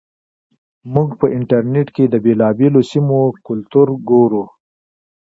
موږ په انټرنیټ کې د بېلابېلو سیمو کلتور ګورو.